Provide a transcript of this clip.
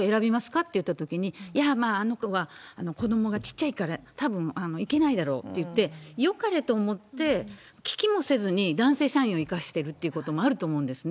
っていったときに、いや、まあ、あの子は子どもが小っちゃいから、たぶん行けないだろうといって、よかれと思って、聞きもせずに男性社員を行かしてるということもあると思うんですね。